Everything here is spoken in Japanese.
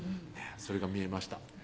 それが見えました